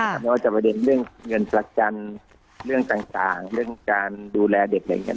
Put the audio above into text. ไม่ว่าจะประเด็นเรื่องเงินประกันเรื่องต่างเรื่องการดูแลเด็กอะไรอย่างนี้